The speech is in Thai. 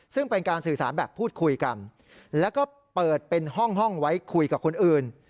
ซึ่งเป็นการสื่อสารแบบพูดคุยกันแล้วก็เปิดเป็นห้องห้องไว้คุยกับคนอื่น